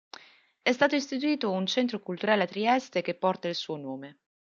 È stato istituito un Centro Culturale a Trieste che porta il suo nome.